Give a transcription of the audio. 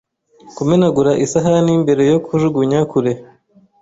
Kumenagura isahani mbere yo kujugunya kure.